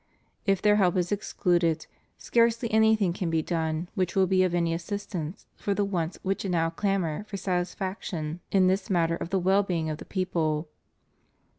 If their help is excluded, scarcely anything can be done which will be of any assistance for the wants which now clamor for satisfaction in this matter of the well being of the people.